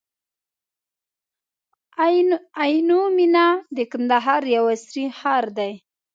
عینو مېنه د کندهار یو عصري ښار دی.